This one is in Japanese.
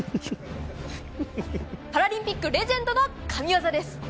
パラリンピックレジェンドの神技です。